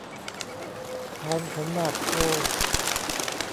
พานขันหมากโท